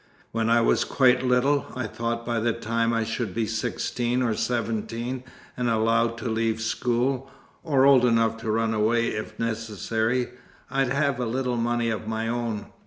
When I was quite little, I thought by the time I should be sixteen or seventeen, and allowed to leave school or old enough to run away if necessary I'd have a little money of my own.